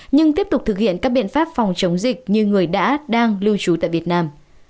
nhưng tiếp tục thực hiện các biện pháp phòng chống dịch như người đã đang lưu trú tại việt nam